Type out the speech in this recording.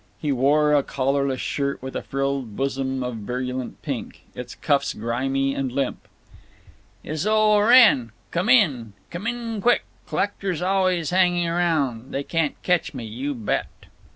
He wore a collarless shirt with a frilled bosom of virulent pink, its cuffs grimy and limp. "It's ol' Wrenn. C'm in. C'm in quick. Collectors always hanging around. They can't catch me. You bet."